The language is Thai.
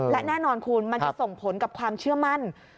และแน่นอนคุณมันจะส่งผลกับความเชื่อมั่น